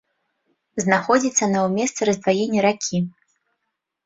Знаходзіцца на ў месцы раздваення ракі.